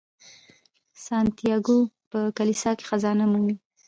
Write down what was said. سانتیاګو په کلیسا کې خزانه مومي.